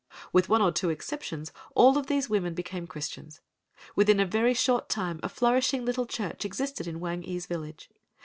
With one or two exceptions all of these women became Christians. Within a very short time a flourishing little church existed in Wang ee's village.